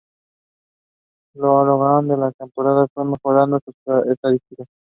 A lo largo de las temporadas fue mejorando sus estadísticas.